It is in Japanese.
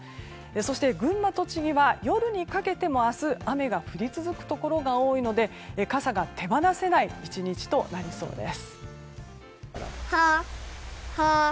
そして、群馬、栃木は夜にかけても雨が降り続くことがあるので傘が手放せない１日となりそうです。